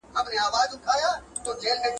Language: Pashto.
دولت خان